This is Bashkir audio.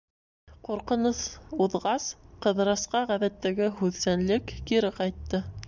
Ҡурҡыныс уҙғас, Ҡыҙырасҡа ғәҙәттәге һүҙсәнлек кире ҡайтты.